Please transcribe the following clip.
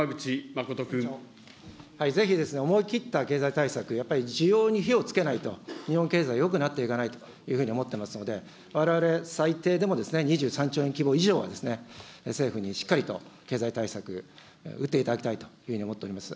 ぜひ思い切った経済対策、やっぱり需要に火をつけないと、日本経済よくなっていかないというふうに思ってますので、われわれ最低でも２３兆円規模以上は政府にしっかりと経済対策打っていただきたいというふうに思っております。